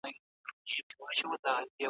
که کورونا خپور شي ستونزې به زیاتې شي.